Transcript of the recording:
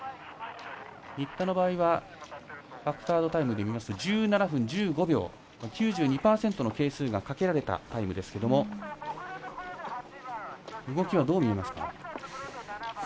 新田の場合はファクタードタイムで見ますと１７分１５秒、９２％の係数がかけられたタイムですけど動きはどう見えますか。